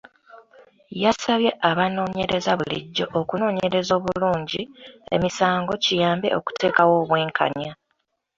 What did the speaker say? Yasabye abanoonyereza bulijjo okunoonyereza obulungi emisango kiyambe okuteekawo obwenkanya.